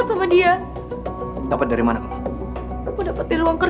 tidak ada apa apa lagi